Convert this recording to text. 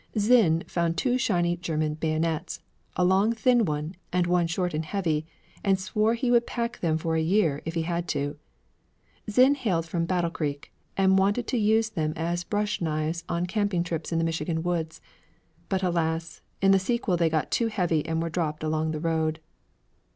Zinn found two shiny German bayonets, a long thin one, and one short and heavy, and swore he would pack them for a year if he had to. Zinn hailed from Battle Creek and wanted to use them as brush knives on camping trips in the Michigan woods; but alas, in the sequel they got too heavy and were dropped along the road.